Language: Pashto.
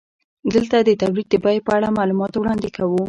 دلته د تولید د بیې په اړه معلومات وړاندې کوو